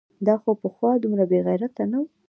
دا خو پخوا دومره بېغیرته نه و؟!